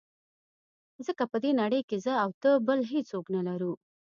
ځکه په دې نړۍ کې زه او ته بل هېڅوک نه لرو.